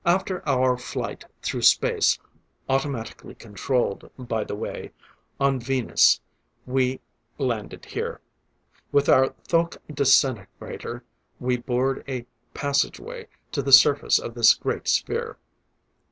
"After our flight through space, automatically controlled, by the way, on Venus, we landed here. With our thoque disintegrator, we bored a passageway to the surface of this great sphere.